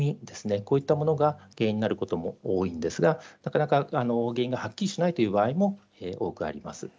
こういったものが原因になることも多いんですがなかなか原因がはっきりしないという場合も多くあります。